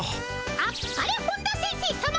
あっぱれ本田先生さま。